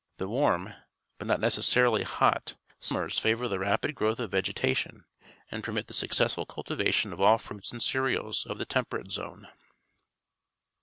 The w arm, but no t necessarily hot, summers favour the rapid gro^yth of vegetation and permit the successful cultivation of all fruits and cereals of the Temperate Zone.